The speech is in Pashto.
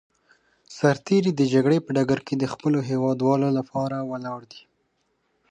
سرتېری د جګړې په ډګر کې د خپلو هېوادوالو لپاره ولاړ دی.